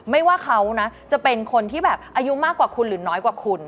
ไม่ว่าเขานะจะเป็นคนที่แบบอายุมากกว่าคุณหรือน้อยกว่าคุณ